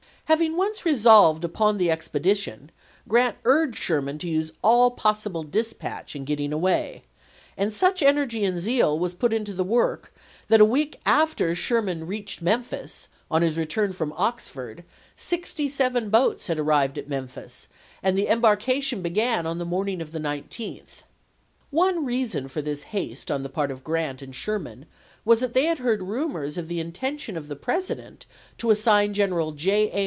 Having once resolved upon the expedition, Grant urged Sherman to use all possible dispatch in get ting away, and such energy and zeal was put into the work that a week after Sherman reached 126 ABRAHAM LINCOLN chap. v. Memphis, on his return from Oxford, sixty seven boats had arrived at Memphis, and the embarka tion began on the morning of the 19th. One reason for this haste on the part of Grant and Sherman was that they had heard rumors of the intention of the President to assign General J. A.